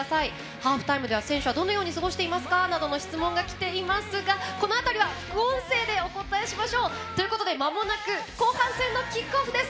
ハーフタイムでは選手はどのように過ごしていますかなどの質問がきていますがこの辺りは副音声でお答えしましょう！ということで、まもなく後半戦のキックオフです。